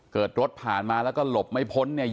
เกิดรถผ่านมาแล้วก็หลบไม่พ้นเนี่ย